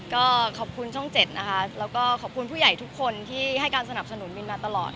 ก็ขอบคุณช่องเจ็ดนะคะแล้วก็ขอบคุณผู้ใหญ่ทุกคนที่ให้การสนับสนุนมินมาตลอด